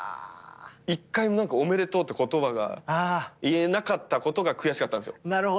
１回もおめでとうって言葉が言えなかったことが悔しかったんですよ。